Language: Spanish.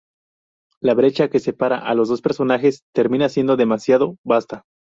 La brecha que separa a los dos personajes termina siendo demasiado vasta.